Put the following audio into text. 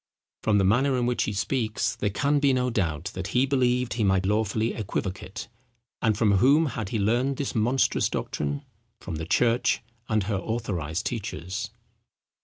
From the manner in which he speaks, there can be no doubt, that he believed he might lawfully equivocate. And from whom had he learned this monstrous doctrine? From the church and her authorized teachers!!